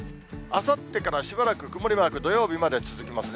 あさってからしばらく曇りマーク、土曜日まで続きます。